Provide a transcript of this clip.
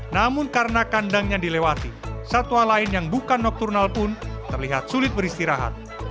namun karena kandangnya dilewati satwa lain yang bukan nokturnal pun terlihat sulit beristirahat